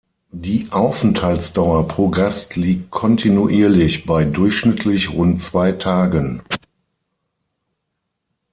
Die Aufenthaltsdauer pro Gast liegt kontinuierlich bei durchschnittlich rund zwei Tagen.